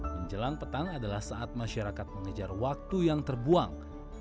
menjelang petang adalah saat masyarakat mengejar waktu yang terbuang